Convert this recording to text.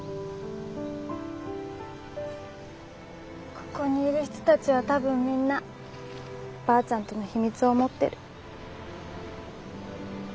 ここにいる人たちは多分みんなばあちゃんとの秘密を持ってる。